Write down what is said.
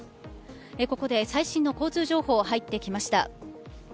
ここで最新の交通情報が入ってきました。